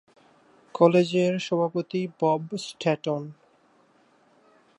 কলেজের সভাপতি Bob Staten.